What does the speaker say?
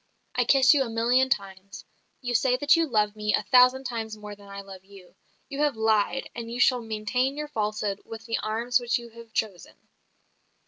"I kiss you a million times. You say that you love me a thousand times more than I love you. You have lied, and you shall maintain your falsehood with the arms which you have chosen.